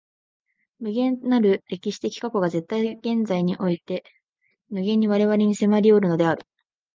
無限なる歴史的過去が絶対現在において無限に我々に迫りおるのである。